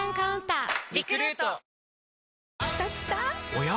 おや？